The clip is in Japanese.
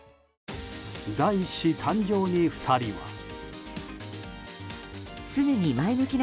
第一子誕生に２人は。